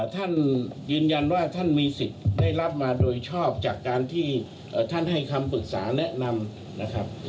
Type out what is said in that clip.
ท่านยืนยันว่าท่านมีสิทธิ์ได้รับมาโดยชอบจากการที่ท่านให้คำปรึกษาแนะนำนะครับ